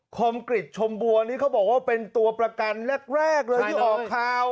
คมกริจชมบัวนี่เขาบอกว่าเป็นตัวประกันแรกเลยที่ออกข่าว